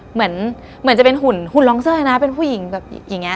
เหมือนจะเป็นหุ่นลองเซอร์นะเป็นผู้หญิงแบบอย่างนี้